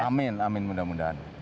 amin amin mudah mudahan